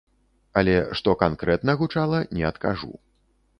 Але што канкрэтна гучала, не адкажу.